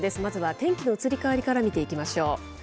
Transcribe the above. まずは天気の移り変わりから見ていきましょう。